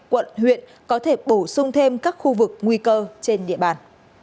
quận huyện có thể bổ sung thêm các khu vực nguy cơ trên địa bàn